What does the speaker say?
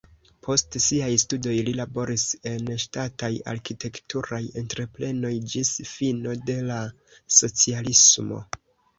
Post siaj studoj li laboris en ŝtataj arkitekturaj entreprenoj ĝis fino de la socialismo.